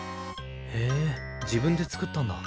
へえ自分で作ったんだ。